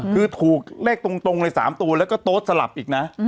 คือถูกเลขตรงเลย๓ตัวแล้วก็โต๊ดสลับอีกนะ